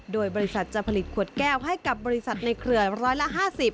โดยบริษัทจะผลิตขวดแก้วให้กับบริษัทในเครือร้อยละ๕๐